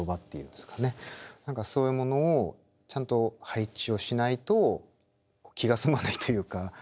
何かそういうものをちゃんと配置をしないと気が済まないというか。